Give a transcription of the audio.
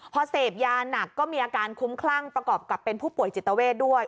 พอเสพยาหนักก็มีอาการคุ้มคลั่งประกอบกับเป็นผู้ป่วยจิตเวทด้วย